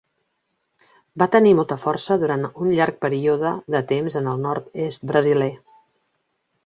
Va tenir molta força durant un llarg període de temps en el nord-est brasiler.